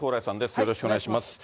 よろしくお願いします。